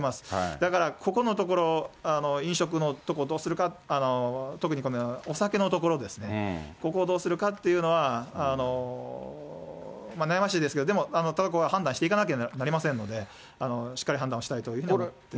だからここのところ、飲食のとこ、どうするか、特にお酒のところですね、ここをどうするかっていうのは、悩ましいですけど、でも、そこは判断していかなければなりませんので、しっかり判断をしたいというふうに思っています。